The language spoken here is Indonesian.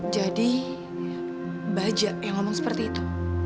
jadi baja yang ngomong seperti itu